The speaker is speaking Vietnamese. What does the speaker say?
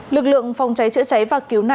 lực lượng phòng cháy chữa cháy và cứu nạn